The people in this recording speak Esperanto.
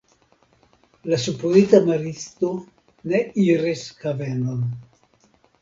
La supozita maristo ne iris havenon.